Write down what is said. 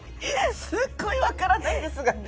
すっごいわからないんですが。